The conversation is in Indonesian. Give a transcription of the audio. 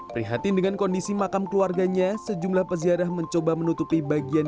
prihatin dengan kondisi makam keluarganya sejumlah peziarah mencoba menutupi bagian